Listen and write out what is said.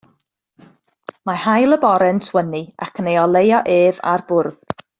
Mae haul y bore yn tywynnu ac yn ei oleuo ef a'r bwrdd.